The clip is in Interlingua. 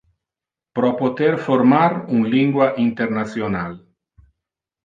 Pro poter formar un lingua international.